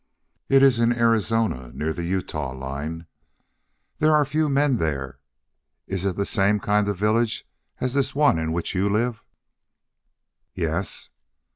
"It is in Arizona, near the Utah line. There are few men there. Is it the same kind of village as this one in which you live?" "Yes."